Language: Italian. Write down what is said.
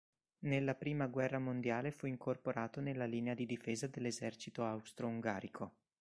Nella prima guerra mondiale fu incorporato nella linea di difesa dell'esercito austro-ungarico.